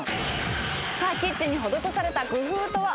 さあキッチンに施された工夫とは。